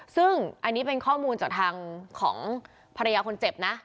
ซึ่งอันนี้เป็นข้อมูลจากทางของภรรยาคนเจ็บนะ